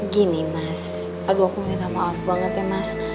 gini mas aduh aku minta maaf banget ya mas